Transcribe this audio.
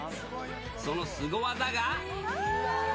そのスゴ技が。